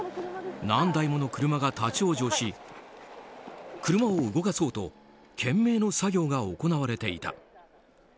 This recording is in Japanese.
何台もの車が立ち往生し車を動かそうと懸命の作業が行われていた。